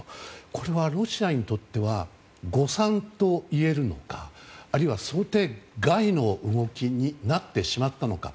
これはロシアにとっては誤算といえるのかあるいは想定外の動きになってしまったのか。